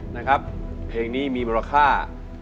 นะครับเพลงนี้มีมูลค่า